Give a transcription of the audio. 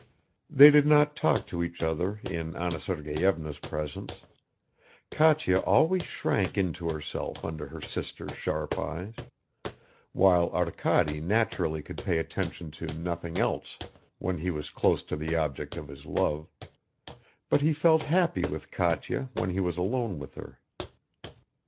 They did not talk to each other in Anna Sergeyevna's presence; Katya always shrank into herself under her sister's sharp eyes, while Arkady naturally could pay attention to nothing else when he was close to the object of his love; but he felt happy with Katya when he was alone with her.